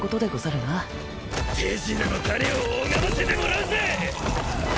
手品の種を拝ませてもらうぜ！